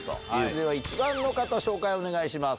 では１番の方紹介お願いします。